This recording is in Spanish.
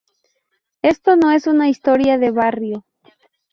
Esto no es una historia de barrio.